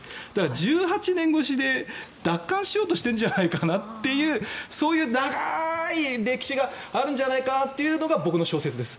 １８年越しで奪還しようとしているんじゃないかなっていうそういう長い歴史があるんじゃないかというのが僕の小説です。